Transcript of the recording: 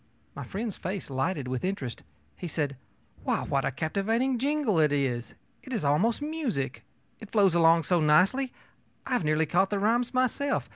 My friend's face lighted with interest. He said: ōWhy, what a captivating jingle it is! It is almost music. It flows along so nicely. I have nearly caught the rhymes myself.